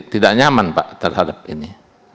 tidak nyaman pak terhadap ini